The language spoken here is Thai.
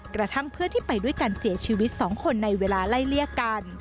กระทั่งเพื่อนที่ไปด้วยกันเสียชีวิต๒คนในเวลาไล่เลี่ยกัน